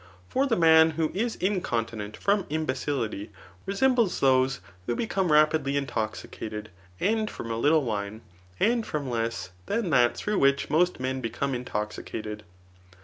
For the man who is incon tinent from imbecility, resembles those who become rabidly intoxicated, and from a little wine, and from less dian that through which most men become intoxicated.